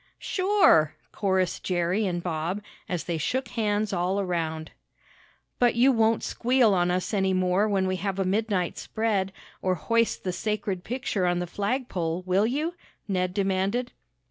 "Sure!" chorused Jerry and Bob, as they shook hands all around. "But you won't squeal on us any more when we have a midnight spread, or hoist the sacred picture on the flagpole; will you?" Ned demanded.